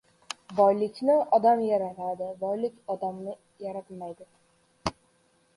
• Boylikni odam yaratadi, boylik odamni yaratmaydi.